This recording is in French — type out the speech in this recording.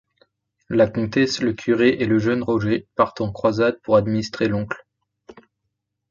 La comtesse, le curé et le jeune Roger partent en croisade pour administrer l'oncle.